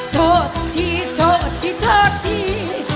โทษที่โทษที่โทษที